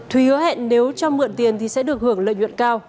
thúy hứa hẹn nếu cho mượn tiền thì sẽ được hưởng lợi nhuận cao